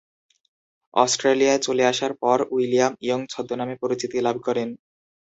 অস্ট্রেলিয়ায় চলে আসার পর উইলিয়াম ইয়ং ছদ্মনামে পরিচিতি লাভ করেন।